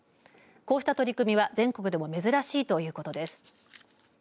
こうした取り組みは、全国でも珍しいということです。